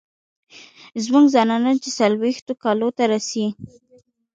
زمونږ زنانه چې څلوېښتو کالو ته رسي